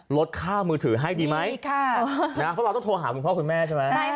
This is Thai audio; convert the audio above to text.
ลดค่ามือถือให้ดีไหมเพราะเราต้องโทรหาคุณพ่อคุณแม่ใช่ไหม